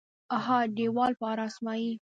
ها دیوال پر اسمایي